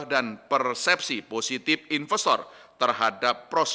dan persepsi positif investor terhadap pemerintah